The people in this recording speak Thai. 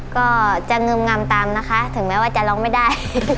ก็จะงึมงำตามนะคะถึงแม้ว่าจะร้องไม่ได้